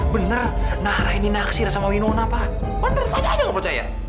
benar nara ini naksir sama winona pak benar tanya aja nggak percaya